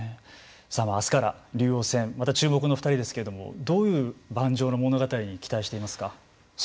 あすから竜王戦また注目の２人ですけれどもどういう盤上の物語に期待していますか。